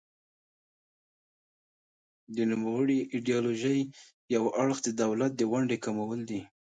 د نوموړې ایډیالوژۍ یو اړخ د دولت د ونډې کمول دي.